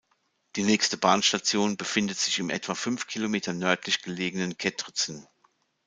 Die nächste Bahnstation befindet sich im etwa fünf Kilometer nördlich gelegenen Kętrzyn.